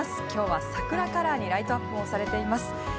きょうは桜カラーにライトアップもされています。